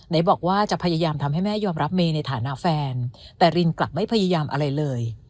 บอกว่าจะพยายามทำให้แม่ยอมรับเมย์ในฐานะแฟนแต่รินกลับไม่พยายามอะไรเลย